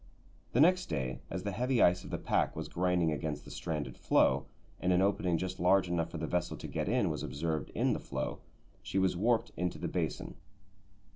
The next day, as the heavy ice of the pack was grinding against the stranded floe, and an opening just large enough for the vessel to get in was observed in the floe, she was warped into the basin.